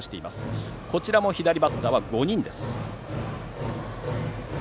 こちらも左バッターは５人です。